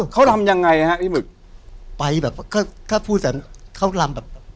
เขารำยังไงฮะพี่หมึกไปแบบก็ถ้าพูดแต่เขารำแบบ